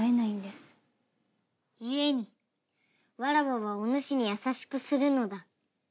故にわらわはおぬしに優しくするのだ。